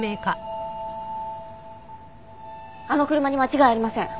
あの車に間違いありません。